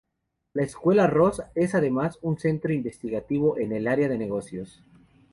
La Escuela Ross es además un centro investigativo en el área de los negocios.